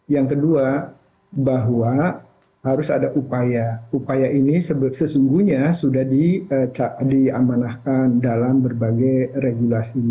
yang kedua bahwa harus ada upaya upaya ini sesungguhnya sudah diamanahkan dalam berbagai regulasi